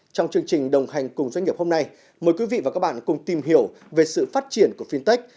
trong chương trình đồng hành cùng doanh nghiệp hôm nay mời quý vị và các bạn cùng tìm hiểu về sự phát triển của fintech